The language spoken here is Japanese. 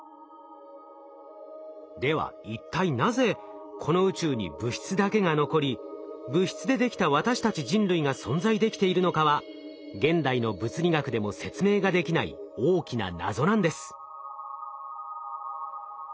では一体なぜこの宇宙に物質だけが残り物質でできた私たち人類が存在できているのかは現代の物理学でも説明ができない大きな謎なんです。